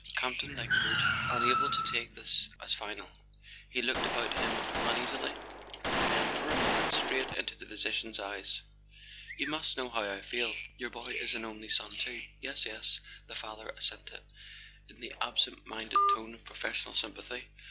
Campton lingered, unable to take this as final. He looked about him uneasily, and then, for a moment, straight into the physician's eyes. "You must know how I feel; your boy is an only son, too." "Yes, yes," the father assented, in the absent minded tone of professional sympathy.